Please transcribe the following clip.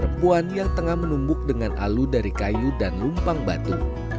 dua perempuan yang tengah menumbuk dengan alu dari kayu dan lumpang batu